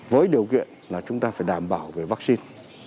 với điều kiện là chúng ta phải đảm bảo về vaccine